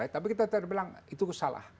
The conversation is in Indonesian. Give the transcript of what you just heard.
tapi kita tadi bilang itu salah